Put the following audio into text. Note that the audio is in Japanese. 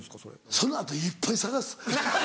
その後いっぱい探す。